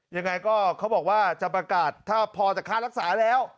ยังไงก็เขาบอกว่าจะประกาศถ้าพอจะค่ารักษาแล้ว